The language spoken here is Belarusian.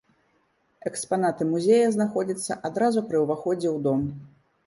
Экспанаты музея знаходзяцца адразу пры ўваходзе ў дом.